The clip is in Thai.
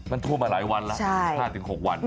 มันท่วมมาหลายวันแล้ว๕๖วัน